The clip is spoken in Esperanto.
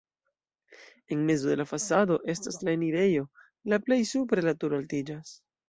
En mezo de la fasado estas la enirejo, la plej supre la turo altiĝas.